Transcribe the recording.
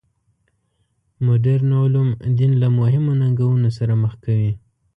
مډرن علوم دین له مهمو ننګونو سره مخ کوي.